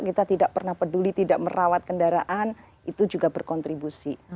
kita tidak pernah peduli tidak merawat kendaraan itu juga berkontribusi